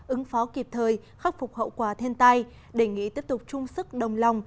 ứng phó kịp thời khắc phục hậu quả thiên tai đề nghị tiếp tục chung sức đồng lòng